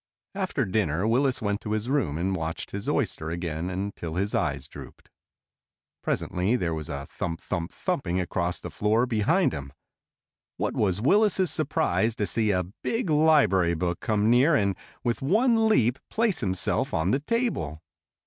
After dinner Willis went to his room and watched his oyster again until his eyes drooped. Presently there was a thump thump thumping across the floor behind him. What was Willis's surprise to see a big library book come near and with one leap place himself on the table.